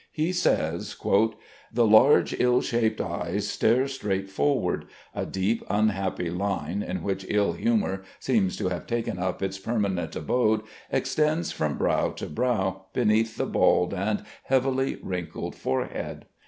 He says: "The large ill shaped eyes stare straight forward; a deep unhappy line, in which ill humor seems to have taken up its permanent abode, extends from brow to brow beneath the bald and heavily wrinkled forehead.